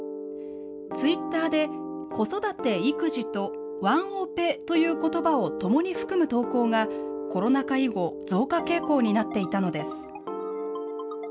ツイッターで、子育て・育児と、ワンオペということばをともに含む投稿が、コロナ禍以後、増加傾向になっていたのです。